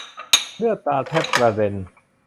เลือดตาแทบกระเด็น